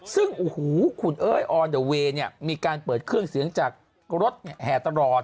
ซึ่งขุนเอ้ยออนเดอร์เวย์มีการเปิดเครื่องเสียงจากรถแห่ตลอด